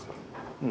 うん。